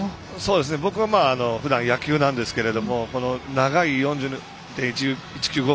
僕はふだん野球ですけど長い４２．１９５